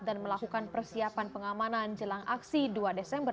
dan melakukan persiapan pengamanan jelang aksi dua desember